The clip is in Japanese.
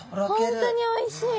本当においしい。